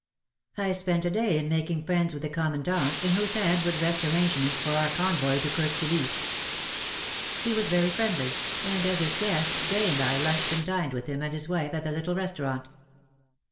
I spent a day in making friends with the Com mandant, in whose hands would rest arrange ments for our convoy to Kirk Kilisse. He was very friendly, and as his guests J. and I lunched and dined with him and his wife at the litde restaurant.